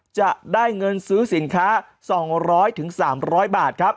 จะได้เงินซื้อสินค้า๒๐๐๓๐๐บาทครับ